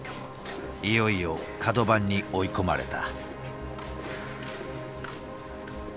いよいよ角番に追い込まれた。